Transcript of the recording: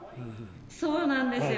そうなんですよ。